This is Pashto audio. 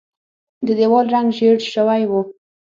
د دیوال رنګ ژیړ شوی و.